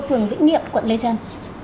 phường vĩnh niệm quận lê trân